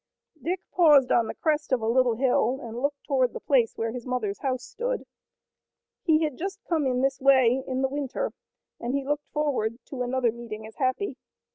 Dick paused on the crest of a little hill and looked toward the place where his mother's house stood. He had come just in this way in the winter, and he looked forward to another meeting as happy.